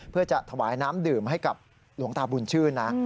เพื่อจะถวายน้ำดื่มให้กับหลวงตาบุญชื่นนะ